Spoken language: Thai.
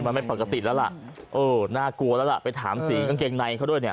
มันไม่ปกติแล้วล่ะเออน่ากลัวแล้วล่ะไปถามสีกางเกงในเขาด้วยเนี่ย